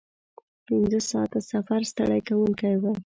پنځه ساعته سفر ستړی کوونکی و.